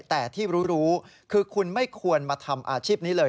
แต่ที่รู้คือคุณไม่ควรมาทำอาชีพนี้เลย